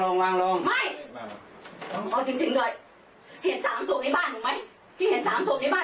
จริงนะ